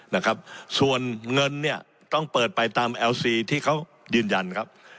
นะครับส่วนเงินเนี่ยต้องเปิดไปตามเอลซีที่เขายืนยันครับ